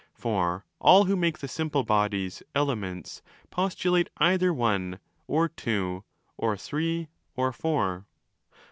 For all who make the simple bodies ' elements' postulate either one, or two, or three, or four.